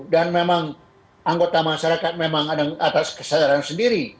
dan memang anggota masyarakat memang atas kesadaran sendiri